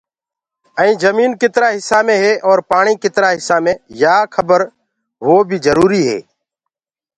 ائينٚ جمينٚ ڪِترآ هسآ مي هي اورَ پآڻيٚ ڪِترآ هِسآ مي يآ کبر هووو بيٚ جروريٚ